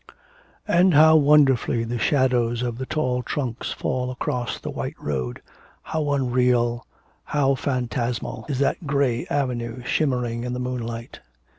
'And how wonderfully the shadows of the tall trunks fall across the white road. How unreal, how phantasmal, is that grey avenue shimmering in the moonlight.'